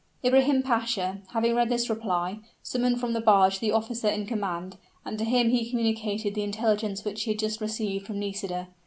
Ibrahim Pasha, having read this reply, summoned from the barge the officer in command: and to him he communicated the intelligence which he had just received from Nisida.